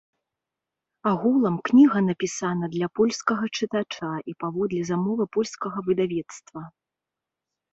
Агулам, кніга напісана для польскага чытача і паводле замовы польскага выдавецтва.